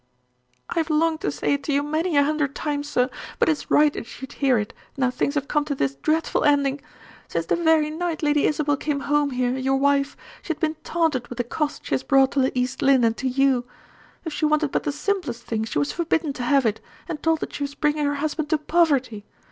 "I have longed to say it to you many a hundred times, sir; but it is right that you should hear it, now things have come to this dreadful ending. Since the very night Lady Isabel came home here, your wife, she had been taunted with the cost she has brought to East Lynne and to you. If she wanted but the simplest thing, she was forbidden to have it, and told that she was bringing her husband to poverty.